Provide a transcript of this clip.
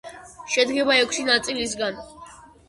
შედგება ექვსი ნაწილისგან.